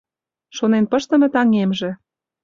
Шонен пыштыме таҥемже